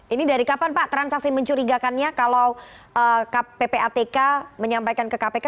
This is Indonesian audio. ini dari kapan pak transaksi mencurigakannya kalau ppatk menyampaikan ke kpk